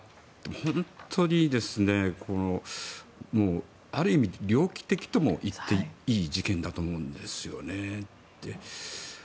本当にある意味で猟奇的とも言っていい事件だと思うんですよね。